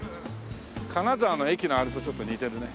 金沢の駅のあれとちょっと似てるね。